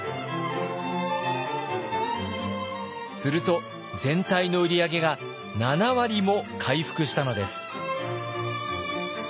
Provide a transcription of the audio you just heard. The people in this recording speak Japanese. すると全体の売り上げが７割も回復したのです。